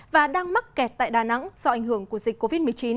và đang mắc kẹt tại đà nẵng do ảnh hưởng của dịch covid một mươi chín